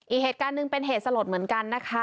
อีกเหตุการณ์หนึ่งเป็นเหตุสลดเหมือนกันนะคะ